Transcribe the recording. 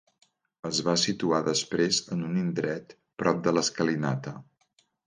Es va situar després en un indret prop de l’escalinata.